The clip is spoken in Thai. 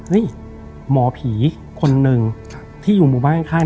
เฮ้ยหมอผีคนนึงที่อยู่บ้านข้าง